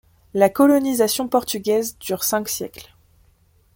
La colonisation portugaise dure cinq siècles.